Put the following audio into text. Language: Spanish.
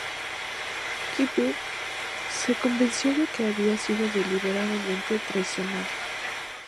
Keppel se convenció de que había sido deliberadamente traicionado.